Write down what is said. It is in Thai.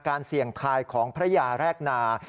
เสี่ยงทายของพระยาแรกนา